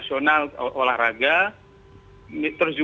di berbagai event itu